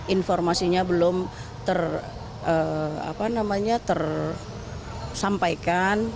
informasinya belum tersampaikan